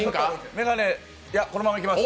眼鏡、このままいきます。